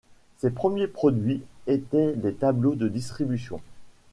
Ses premiers produits étaient des tableaux de distribution.